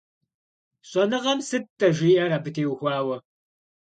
ЩӀэныгъэм сыт-тӀэ жиӀэр абы теухуауэ?